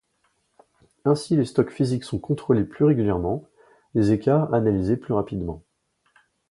Ainsi les stocks physiques sont contrôlés plus régulièrement, les écarts analysés plus rapidement.